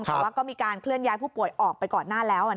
แต่ว่าก็มีการเคลื่อนย้ายผู้ป่วยออกไปก่อนหน้าแล้ว